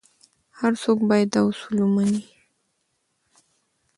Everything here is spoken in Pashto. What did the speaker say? هر څوک باید دا اصول ومني.